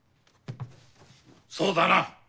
そうだな！